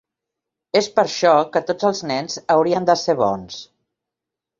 És per això que tots els nens haurien de ser bons.